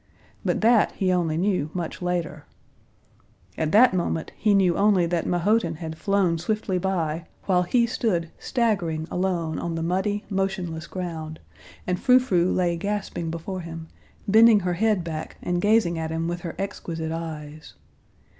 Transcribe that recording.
But that he only knew much later. At that moment he knew only that Mahotin had flown swiftly by, while he stood staggering alone on the muddy, motionless ground, and Frou Frou lay gasping before him, bending her head back and gazing at him with her exquisite eyes.